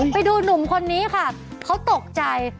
ไปดูหนุ่มคนนี้ค่ะเขาตกใจ